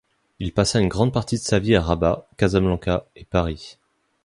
Il passa une grande partie de sa vie à Rabat, Casablanca et Paris.